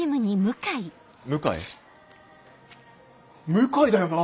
向井だよな？